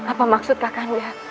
apa maksud kak kanda